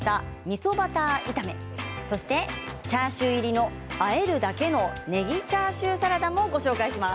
そしてチャーシュー入りのあえるだけのねぎチャーシューサラダもご紹介します。